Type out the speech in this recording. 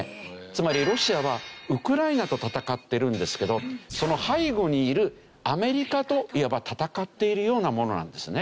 つまりロシアはウクライナと戦ってるんですけどその背後にいるアメリカといわば戦っているようなものなんですね。